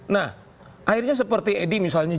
nah akhirnya seperti edi misalnya